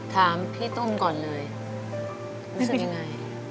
ถามพี่ตุ้มก่อนเลยรู้สึกยังไง